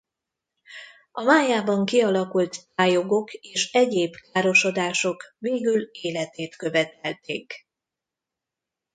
A májában kialakult tályogok és egyéb károsodások végül életét követelték.